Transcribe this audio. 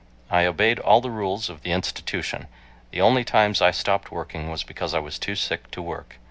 I obeyed all the rules of the institution. The only times I stopped working was because I was too sick to work.